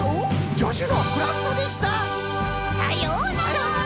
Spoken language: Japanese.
じょしゅのクラフトでした！さようなら！